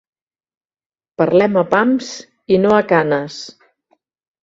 Parlem a pams i no a canes.